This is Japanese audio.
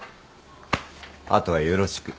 あとはよろしく。